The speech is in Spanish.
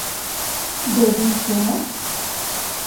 ¿bebí yo?